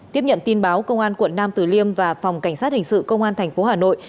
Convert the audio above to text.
tiếp nhận tin báo công an quận nam tử liêm và phòng cảnh sát hình sự công an tp hà nội